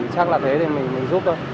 chắc là thế mình giúp thôi